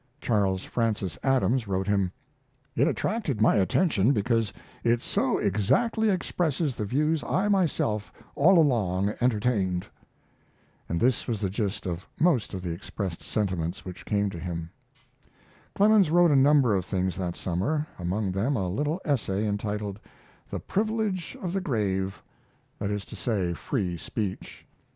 Charles Francis Adams wrote him: It attracted my attention because it so exactly expresses the views I have myself all along entertained. And this was the gist of most of the expressed sentiments which came to him. Clemens wrote a number of things that summer, among them a little essay entitled, "The Privilege of the Grave" that is to say, free speech.